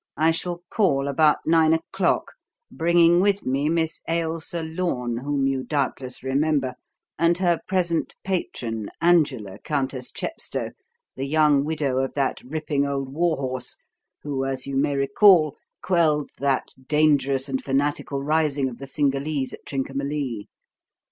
I shall call about nine o'clock, bringing with me Miss Ailsa Lorne, whom you doubtless remember, and her present patron, Angela, Countess Chepstow, the young widow of that ripping old warhorse, who, as you may recall, quelled that dangerous and fanatical rising of the Cingalese at Trincomalee.